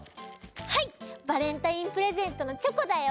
はいバレンタインプレゼントのチョコだよ。